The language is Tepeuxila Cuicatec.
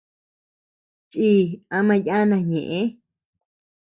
Chii ama yana ñëʼe.